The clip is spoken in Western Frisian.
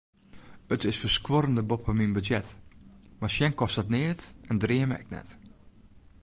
It is ferskuorrend boppe myn budzjet, mar sjen kostet neat en dreame ek net.